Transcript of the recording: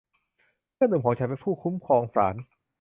เพื่อนหนุ่มของฉันเป็นผู้คุ้มครองศาล